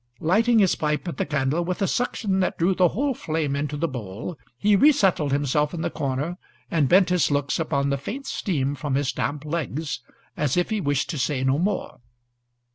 Lighting his pipe at the candle with a suction that drew the whole flame into the bowl, he resettled himself in the corner, and bent his looks upon the faint steam from his damp legs as if he wished say no more.